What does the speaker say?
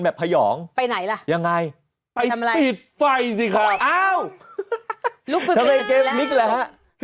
เจ้าไลกเกมส์นิคก์แหละเลี้ยว